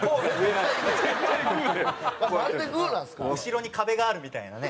後ろに壁があるみたいなね。